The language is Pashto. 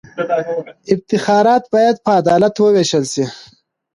افتخارات باید په عدالت ووېشل سي.